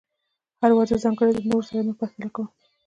هر واده ځانګړی دی، د نورو سره یې مه پرتله کوه.